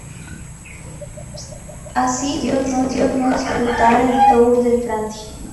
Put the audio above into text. Así, decidió no disputar el Tour de Francia.